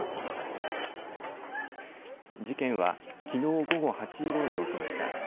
事件は、きのう午後８時ごろに起きました。